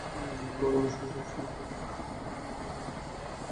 আমাকে অনুসরণ করছেন না তো?